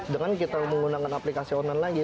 dengan kita menggunakan aplikasi online lagi